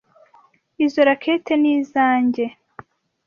Izoi racket ni izoanjye.